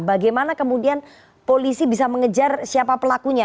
bagaimana kemudian polisi bisa mengejar siapa pelakunya